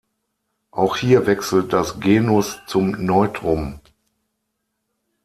Auch hier wechselt das Genus zum Neutrum.